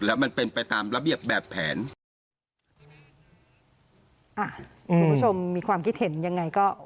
แล้วมันเป็นไปตามระเบียบแบบแผน